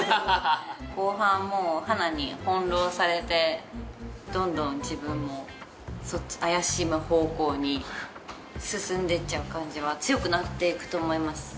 後半もう花に翻弄されてどんどん自分も怪しい方向に進んでいっちゃう感じは強くなっていくと思います。